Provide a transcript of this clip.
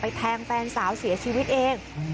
แทงแฟนสาวเสียชีวิตเอง